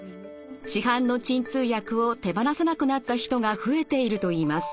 市販の鎮痛薬を手放せなくなった人が増えているといいます。